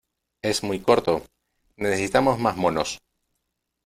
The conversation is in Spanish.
¡ Es muy corto! ¡ necesitamos más monos !